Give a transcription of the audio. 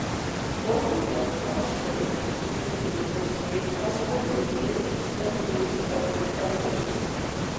Orthograde posture in humans was made possible through millions of years of evolution.